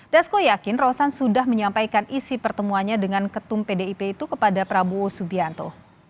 dasko yakin rosan sudah menyampaikan isi pertemuannya dengan ketum pdip itu kepada prabowo subianto